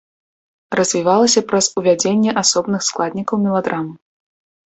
Развівалася праз увядзенне асобных складнікаў меладрамы.